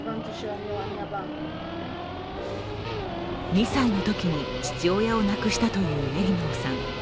２歳のときに父親を亡くしたというエリノーさん。